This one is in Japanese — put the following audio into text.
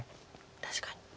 確かに。